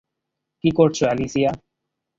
কি করছ, অ্যালিসিয়া?